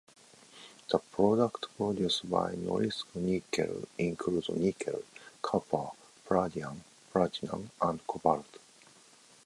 The products produced by Norilsk Nickel include nickel, copper, palladium, platinum, and cobalt.